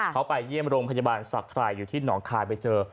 เขาไปเยี่ยมโรงพยาบาลสะไข่อยู่ที่หนองคายไปเจอ